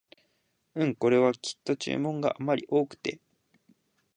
うん、これはきっと注文があまり多くて